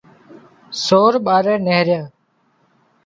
سور ٻاري نيهريا